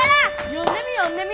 読んでみ読んでみ！